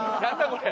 これ。